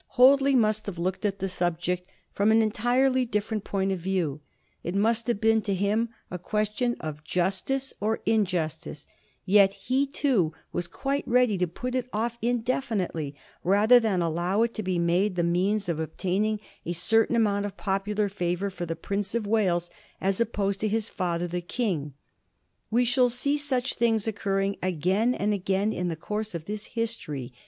Hoadley mast have looked at the subject from an entirely different point of view; it must have been to him a question of justice or injustice ; yet he, too, was quite ready to put it off indefinite^ rather than allow it to be made the means of obtaining a certain amount of popular favor for the Prince of Wales as opposed to his father the King. We shall see such things occurring again and again in the course of this history.